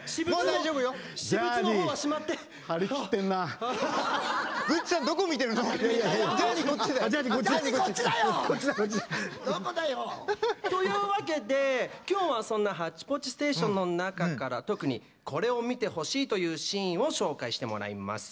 ジャーニーこっちだよ！というわけできょうは、そんな「ハッチポッチステーション」の中から特に、これを見てほしいというシーンを紹介してもらいます。